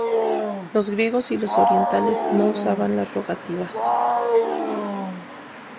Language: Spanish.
Los griegos y los orientales no usaban las rogativas.